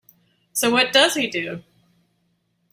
So what does he do?